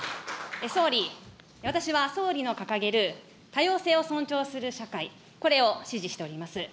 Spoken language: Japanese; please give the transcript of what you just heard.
総理、私は総理の掲げる多様性を尊重する社会、これを支持しております。